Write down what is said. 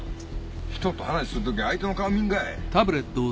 人と話するときは相手の顔見んかい。